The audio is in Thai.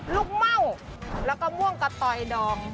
เม่าแล้วก็ม่วงกะตอยดอง